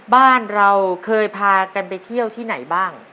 บ้านเราเคยพากันไปเที่ยวที่ไหนบ้าง